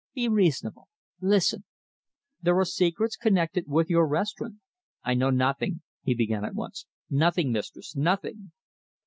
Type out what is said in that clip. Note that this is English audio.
Be reasonable. Listen. There are secrets connected with your restaurant." "I know nothing," he began at once; "nothing, mistress nothing!"